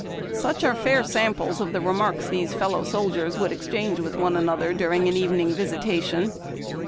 — Such are fair samples of the remarks these fellow soldiers would exchange with one another during an evening visitation.